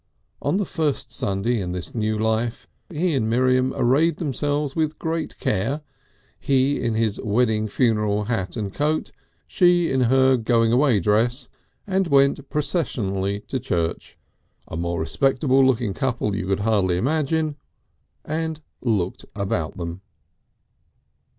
And on the first Sunday in this new life he and Miriam arrayed themselves with great care, he in his wedding funeral hat and coat and she in her going away dress, and went processionally to church, a more respectable looking couple you could hardly imagine, and looked about them.